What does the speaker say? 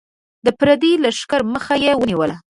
د پردي لښکر مخه یې ونیوله.